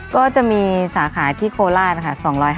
ก็จะมีสาขาที่โคราชนะคะ